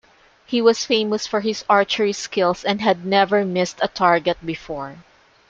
He was famous for his archery skills and had never missed a target before.